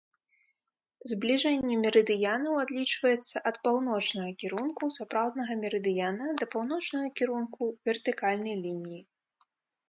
Збліжэнне мерыдыянаў адлічваецца ад паўночнага кірунку сапраўднага мерыдыяна да паўночнага кірунку вертыкальнай лініі.